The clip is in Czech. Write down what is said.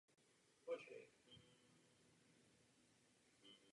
A Del Rey.